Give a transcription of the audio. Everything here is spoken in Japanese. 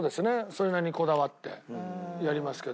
それなりにこだわってやりますけど。